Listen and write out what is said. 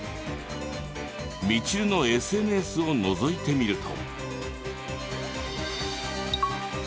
みちるのＳＮＳをのぞいてみると。